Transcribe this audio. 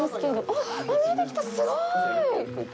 あっ、見えてきた、すごい。